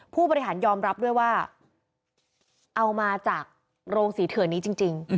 ผู้บริหารยอมรับด้วยว่าเอามาจากโรงศรีเถื่อนนี้จริง